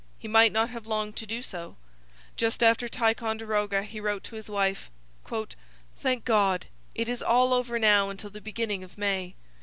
He might not have long to do so. Just after Ticonderoga he wrote to his wife: 'Thank God! it is all over now until the beginning of May.